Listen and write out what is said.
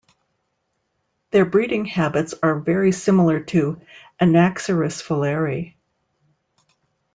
Their breeding habits are very similar to "Anaxyrus fowleri".